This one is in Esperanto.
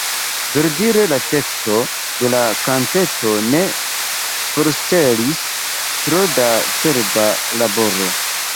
Verdire la teksto de la kanteto ne forŝtelis tro da cerba laboro.